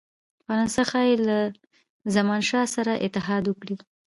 فرانسه ښايي له زمانشاه سره اتحاد وکړي.